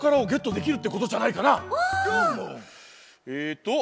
えっと。